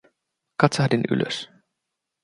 Katsahdin ylös.